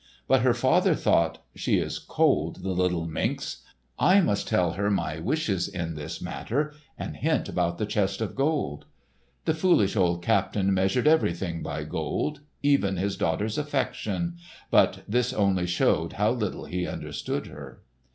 But her father thought, "She is cold, the little minx! I must tell her my wishes in this matter, and hint about the chest of gold." The foolish old captain measured everything by gold—even his daughter's affection, but this only showed how little he understood her.